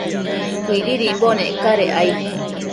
Cuididimbo nec cadec aid